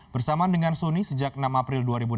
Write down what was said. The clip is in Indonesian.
bersama dengan suni sejak enam april dua ribu enam belas